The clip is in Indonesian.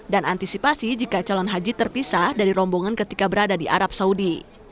dan antisipasi jika calon haji terpisah dari rombongan ketika berada di arab saudi